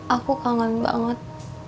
aku kangen banget